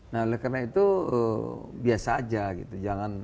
nah oleh karena itu biasa aja gitu